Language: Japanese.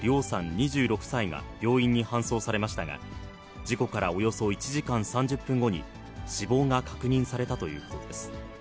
２６歳が病院に搬送されましたが、事故からおよそ１時間３０分後に死亡が確認されたということです。